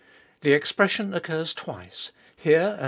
The expression occurs twice ; here and x.